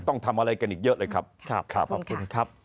ต้องทำอะไรกันอีกเยอะเลยครับ